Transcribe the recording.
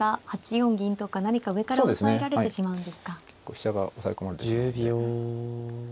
飛車が押さえ込まれてしまうので。